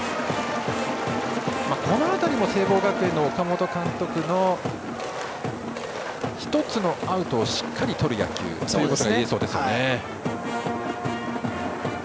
この辺りも聖望学園の岡本監督の１つのアウトをしっかりとる野球ということが言えそうです。